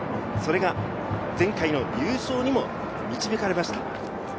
前回の優勝にも導かれました。